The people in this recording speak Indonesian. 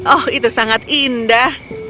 oh itu sangat indah